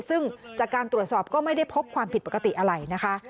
ซึ่งจากการตรวจสอบก็ไม่ได้พบความผิดปกติอะไรนะคะ